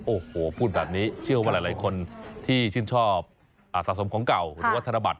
โอ้โหพูดแบบนี้เชื่อว่าหลายคนที่ชื่นชอบสะสมของเก่าหรือว่าธนบัตร